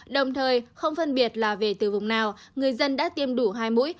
đồng thời không phân biệt là về từ vùng nào người dân đã tiêm đủ hai mũi